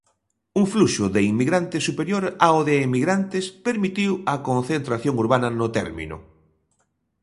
Un fluxo de inmigrantes superior ao de emigrantes permitiu a concentración urbana no término.